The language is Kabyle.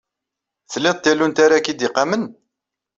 Tlid tallunt ara k-id-iqamen?